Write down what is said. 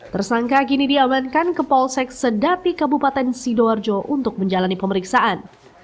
tersangka kini diamankan ke polsek sedati kabupaten sidoarjo untuk menjalani pemeriksaan